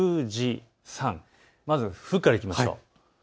まず、ふからいきましょう。